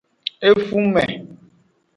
Efume.